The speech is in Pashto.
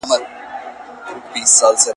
چي غټ وايي، کوچني خيژي.